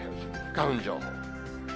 花粉情報。